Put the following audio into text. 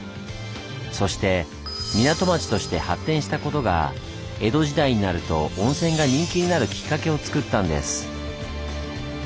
そして港町として発展したことが江戸時代になると温泉が人気になるきっかけをつくったんです。